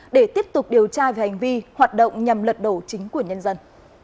để tiếp tục điều tra về hành vi hoạt động nhằm lật đổ chính quyền nhân dân